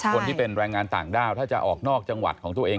คนที่เป็นแรงงานต่างด้าวถ้าจะออกนอกจังหวัดของตัวเอง